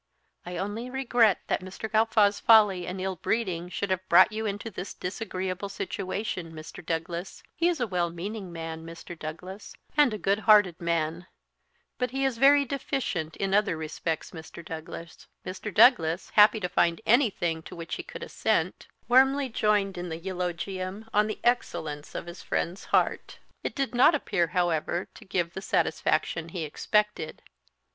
"I only regret that Mr. Gawffaw's folly and ill breeding should have brought you into this disagreeable situation, Mr. Douglas. He is a well meaning man, Mr. Douglas, and a good hearted man; but he is very deficient in other respects, Mr. Douglas." Mr. Douglas, happy to find anything to which he could assent, warmly joined in the eulogium on the excellence of his friend's heart. It did not appear, however, to give the satisfaction he expected.